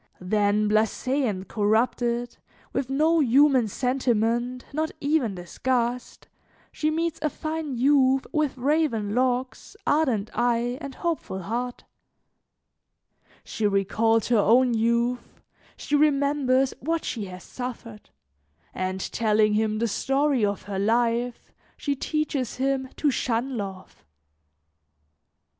Then, blase and corrupted, with no human sentiment, not even disgust, she meets a fine youth with raven locks, ardent eye and hopeful heart; she recalls her own youth, she remembers what she has suffered, and telling him the story of her life, she teaches him to shun love.